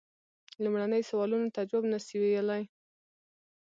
لومړنیو سوالونو ته جواب نه سي ویلای.